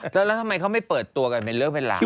แล้วทำไมเขาไม่เปิดตัวกันเป็นเรื่องเป็นราว